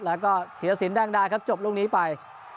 แล้วก็เทศสินด้านด้านครับจบรุ่งนี้ไป